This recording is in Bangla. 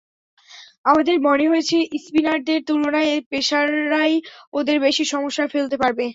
আমাদের মনে হয়েছে, স্পিনারদের তুলনায় পেসাররাই ওদের বেশি সমস্যায় ফেলতে পারবে।